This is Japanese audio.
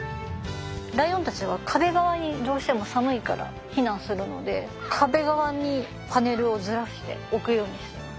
ライオンたちは壁側にどうしても寒いから避難するので壁側にパネルをずらして置くようにしてます。